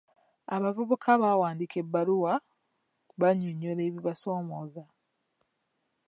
Abavubuka baawandiika ebbaluwa bannyonnyola ebibasomooza.